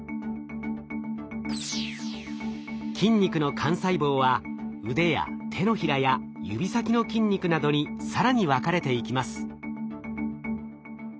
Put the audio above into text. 筋肉の幹細胞はうでや手のひらや指先の筋肉などに更に分かれていきます。